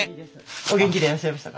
お元気でいらっしゃいましたか？